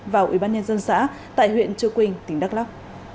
vào ủy ban nhân dân xã tại huyện chưa quỳnh tỉnh đắk lóc